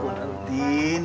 ya ampun tien